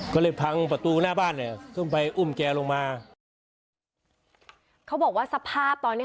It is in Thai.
ก็เลยพังประตูหน้าบ้านเนี่ยขึ้นไปอุ้มแกลงมาเขาบอกว่าสภาพตอนเนี้ย